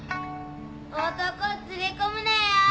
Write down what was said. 男連れ込むなよ。